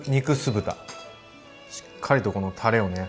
しっかりとこのたれをね。